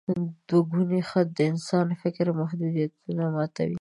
دوګوني خط د انسان د فکر محدودیتونه ماتوي.